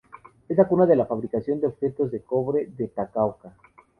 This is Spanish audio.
Es la cuna de la fabricación de objetos de cobre de Takaoka.